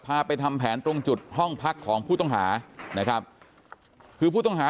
ไปทำแผนตรงจุดห้องพักของผู้ต้องหานะครับคือผู้ต้องหา